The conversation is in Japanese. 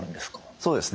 そうですね。